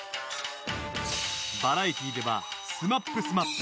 バラエティーでは「ＳＭＡＰ×ＳＭＡＰ」